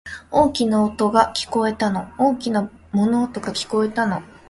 大きな音が、聞こえたの。大きな物音が、聞こえたの。